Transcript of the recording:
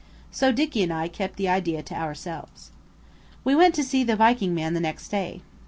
So Dicky and I kept the idea to ourselves. We went to see the Viking man the next day.